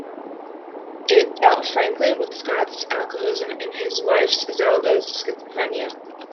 It dealt frankly with Scott's alcoholism and his wife Zelda's schizophrenia.